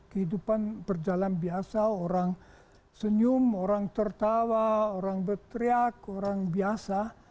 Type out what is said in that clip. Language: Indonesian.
kehidupan berjalan biasa orang senyum orang tertawa orang berteriak orang biasa